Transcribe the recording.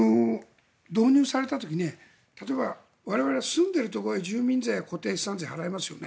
導入された時例えば我々は住んでいるところへ住民税、固定資産税を払いますよね。